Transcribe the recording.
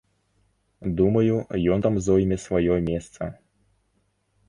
Думаю, ён там зойме сваё месца.